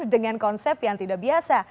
dengan konsep yang tidak biasa